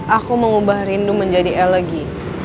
aku mengubah rindu menjadi elegy